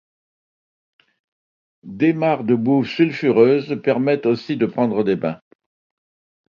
Des mares de boues sulfureuses permettent aussi de prendre des bains.